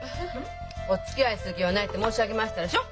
「おつきあいする気はない」って申し上げましたでしょ。